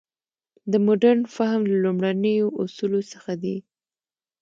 د مډرن فهم له لومړنیو اصولو څخه دی.